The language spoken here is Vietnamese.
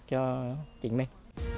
cho chính mình